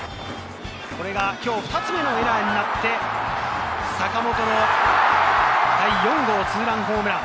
これが今日２つ目のエラーになって、坂本の第４号ツーランホームラン。